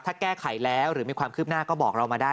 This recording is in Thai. ถ้าแก้ไขแล้วหรือมีความคืบหน้าก็บอกเรามาได้